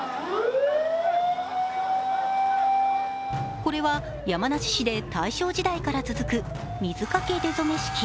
これは山梨市で大正時代から続く、水かけ出初め式。